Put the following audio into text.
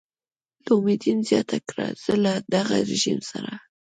لومدین زیاته کړه زه له دغه رژیم سره.